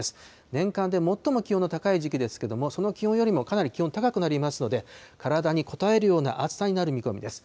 年間で最も気温の高い時期ですけれども、その気温よりもかなり気温、高くなりますので、体にこたえるような暑さになる見込みです。